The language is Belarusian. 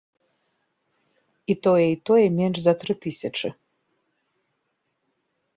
І тое, і тое менш за тры тысячы.